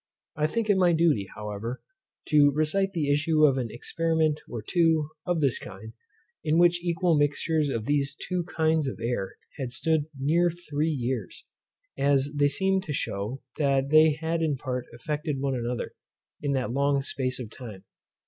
I think it my duty, however, to recite the issue of an experiment or two of this kind, in which equal mixtures of these two kinds of air had stood near three years, as they seem to shew that they had in part affected one another, in that long space of time.